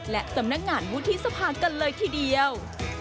และสำนักงานวุฒิสภากันเลยทีเดียว